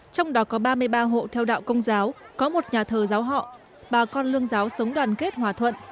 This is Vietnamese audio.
trong đó có ba mươi ba hộ theo đạo công giáo có một nhà thờ giáo họ bà con lương giáo sống đoàn kết hòa thuận